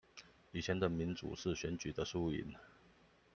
以前的民主是選舉的輸贏